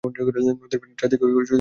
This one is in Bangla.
নদীর পানি চারদিকে ছড়িয়ে পড়ে।